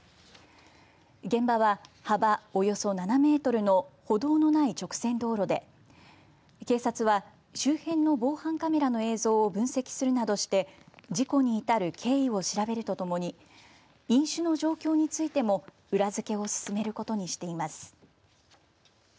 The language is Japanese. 現場は、幅およそ７メートルの歩道のない直線道路で警察は周辺の防犯カメラの映像を分析するなどして事故に至る経緯を調べるとともに飲酒の状況についても裏付けを進めることにしています。